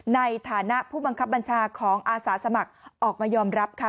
ในฐานะผู้บังคับบัญชาของอาสาสมัครออกมายอมรับค่ะ